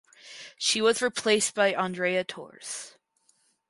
She was replaced by Andrea Torres.